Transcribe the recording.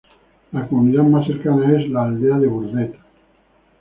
La comunidad más cercana es la Aldea de Burdett.